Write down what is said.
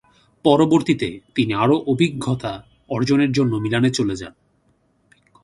পরবর্তীতে তিনি আরো অভিজ্ঞতা অর্জনের জন্য মিলানে চলে যান।